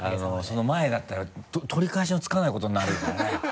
その前だったら取り返しのつかないことになるからね。